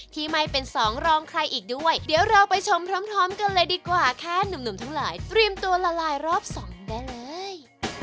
ที่ไม่เป็นสองรองใครอีกด้วยเดี๋ยวเราไปชมพร้อมกันเลยดีกว่าแค่หนุ่มทั้งหลายเตรียมตัวละลายรอบสองได้เลย